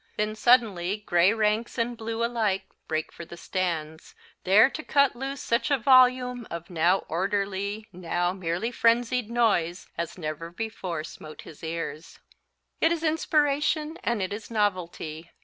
Then suddenly gray ranks and blue alike break for the stands, there to cut loose such a volume of now orderly, now merely frenzied noise as never before smote his ears. It is inspiration and it is novelty.